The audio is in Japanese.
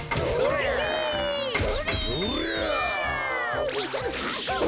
おじいちゃんかくご！